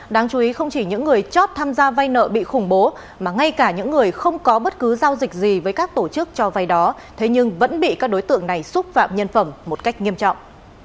đáng chú ý không chỉ những người chót tham gia vay nợ bị khủng bố mà ngay cả những người không có bất cứ giao dịch gì với các tổ chức cho vay đó thế nhưng vẫn bị các đối tượng này xúc phạm nhân phẩm một cách nghiêm trọng